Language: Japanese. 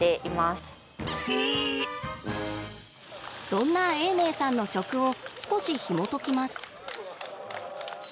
そんな永明さんの食を少しひもときます。